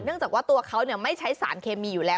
จากว่าตัวเขาไม่ใช้สารเคมีอยู่แล้ว